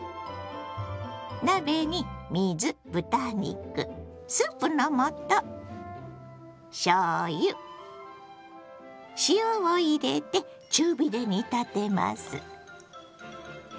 鍋に水豚肉スープの素しょうゆ塩を入れて中火で煮立てます。